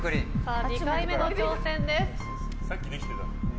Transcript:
２回目の挑戦です。